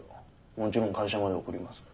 もちろん会社まで送ります。